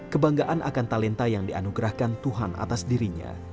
kebanggaan akan talenta yang dianugerahkan tuhan atas dirinya